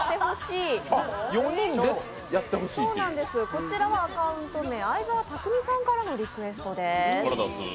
こちらはアカウント名相澤匠さんからのリクエストです。